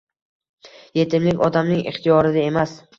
Yetimlik odamning ixtiyorida emas.